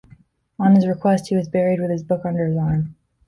On his request he was buried with this book under his arm.